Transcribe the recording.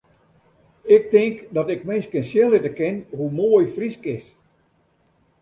Ik tink dat ik minsken sjen litte kin hoe moai Frysk is.